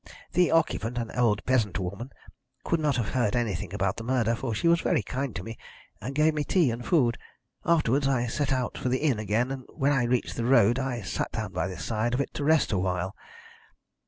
The occupant, an old peasant woman, could not have heard anything about the murder, for she was very kind to me, and gave me tea and food. Afterwards I set out for the inn again, and when I reached the road I sat down by the side of it to rest awhile.